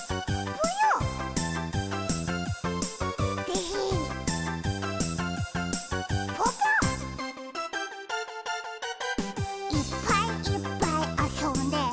ぽぽ「いっぱいいっぱいあそんで」